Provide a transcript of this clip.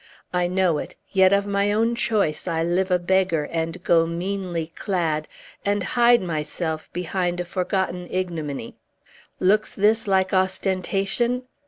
I know it; yet of my own choice, I live a beggar, and go meanly clad, and hide myself behind a forgotten ignominy. Looks this like ostentation?